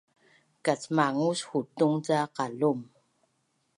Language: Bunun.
kacmangus hutung ca qalum